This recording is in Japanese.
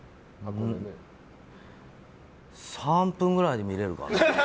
３分ぐらいで見れるかな。